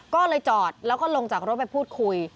ก็เลยจอดแล้วก็ลงจากรถไปพูดคุย